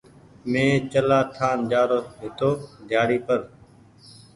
مين چلآ ٺآن جآرو هيتو ڍيآڙي پر۔